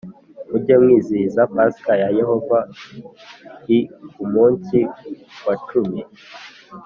mujye mwizihiza pasika ya Yehova i Ku munsi wa cumi